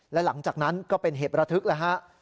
และหลังจากนั้นก็เป็นเหตุระทึกแล้วฮะ